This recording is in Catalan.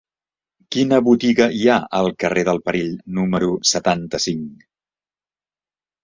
Quina botiga hi ha al carrer del Perill número setanta-cinc?